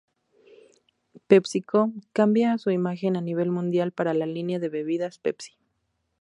PepsiCo cambia su imagen a nivel mundial para la línea de bebidas pepsi.